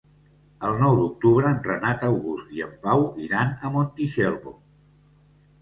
El nou d'octubre en Renat August i en Pau iran a Montitxelvo.